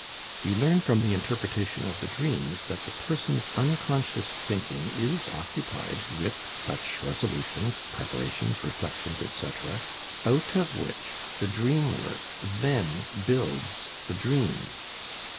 You learn from the interpretation of the dreams that the person's unconscious thinking is occupied with such resolutions, preparations, reflections, etc., out of which the dream work then builds the dream.